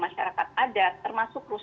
masyarakat adat termasuk